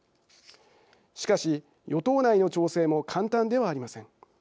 しかし、与党内の調整も簡単ではありません。